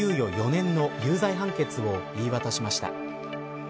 ４年の有罪判決を言い渡しました。